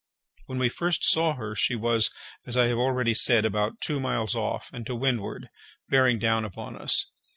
When we first saw her, she was, as I have already said, about two miles off and to windward, bearing down upon us.